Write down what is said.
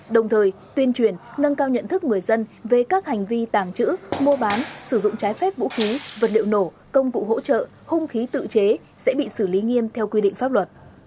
đồng thời tuyên truyền nâng cao nhận thức người dân về các hành vi tàng trữ mua bán sử dụng trái phép vũ khí vật liệu nổ công cụ hỗ trợ hung khí tự chế sẽ bị xử lý nghiêm theo quy định pháp luật